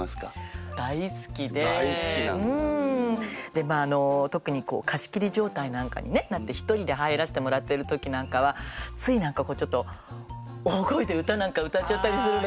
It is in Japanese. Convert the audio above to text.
でまああの特に貸し切り状態なんかにねなって一人で入らせてもらってる時なんかはつい何かこうちょっと大声で歌なんか歌っちゃったりするのよね。